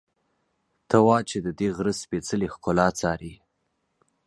ته وا چې ددې غره سپېڅلې ښکلا څاري.